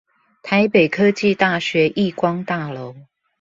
台北科技大學億光大樓